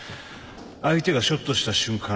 相手がショットした瞬間